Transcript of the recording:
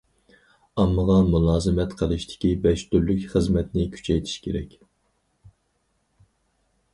ئاممىغا مۇلازىمەت قىلىشتىكى بەش تۈرلۈك خىزمەتنى كۈچەيتىش كېرەك.